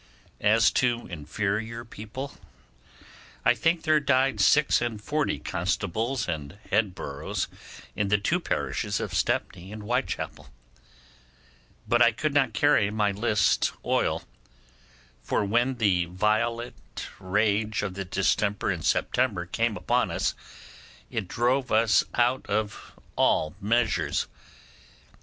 As to inferior people, I think there died six and forty constables and head boroughs in the two parishes of Stepney and Whitechappel; but I could not carry my list on, for when the violent rage of the distemper in September came upon us, it drove us out of all measures.